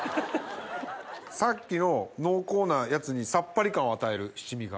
さっきの濃厚なやつにさっぱり感を与える七味が。